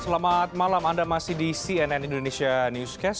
selamat malam anda masih di cnn indonesia newscast